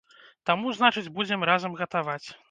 Таму, значыць, будзем разам гатаваць.